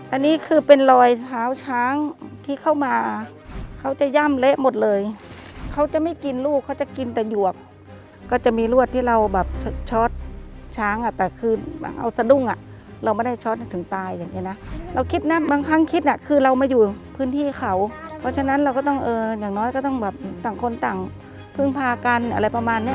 อันนี้คือเป็นรอยเท้าช้างที่เข้ามาเขาจะย่ำเละหมดเลยเขาจะไม่กินลูกเขาจะกินแต่หยวกก็จะมีรวดที่เราแบบช็อตช้างอ่ะแต่คือเอาสะดุ้งอ่ะเราไม่ได้ช็อตถึงตายอย่างเงี้นะเราคิดนะบางครั้งคิดอ่ะคือเรามาอยู่พื้นที่เขาเพราะฉะนั้นเราก็ต้องเอออย่างน้อยก็ต้องแบบต่างคนต่างพึ่งพากันอะไรประมาณเนี้ย